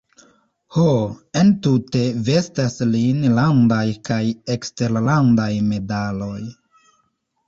Ho, entute vestas lin landaj kaj eksterlandaj medaloj.